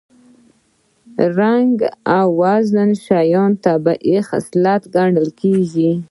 رنګ او وزن د شیانو طبیعي خصلت ګڼل کېږي